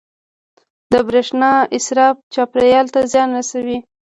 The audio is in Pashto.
• د برېښنا اسراف چاپېریال ته زیان رسوي.